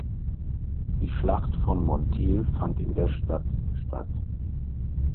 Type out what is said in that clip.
Die Schlacht von Montiel fand in der Stadt statt.